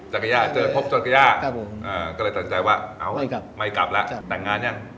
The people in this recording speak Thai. จักรย่าเจอพบจักรย่าก็เลยตัดใจว่าไม่กลับแล้วแต่งงานยัง